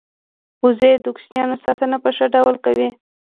وزې د کوچنیانو ساتنه په ښه ډول کوي